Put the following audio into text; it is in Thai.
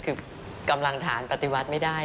คือกำลังฐานปฏิวัติไม่ได้